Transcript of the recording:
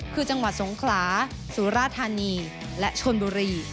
คือจังหวัดสงขลาสุราธานีและชนบุรี